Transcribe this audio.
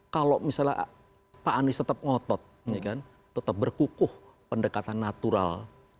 kalau misalnya pak anies tetap ngotot tetap berkukuh pendekatan natural